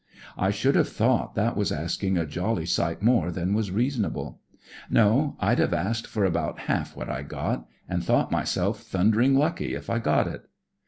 I should have thought that was asking a jolly sight more than was reasonable. No, I'd have asked for about half what I got, and thought myself thundering lucky if I got it.